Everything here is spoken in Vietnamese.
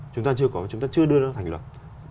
chúng ta chưa có chúng ta chưa đưa nó thành luật